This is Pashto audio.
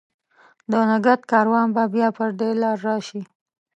د نګهت کاروان به بیا پر دې لار، راشي